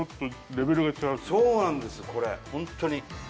そうなんですこれホントに。